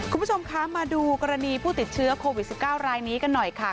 คุณผู้ชมคะมาดูกรณีผู้ติดเชื้อโควิด๑๙รายนี้กันหน่อยค่ะ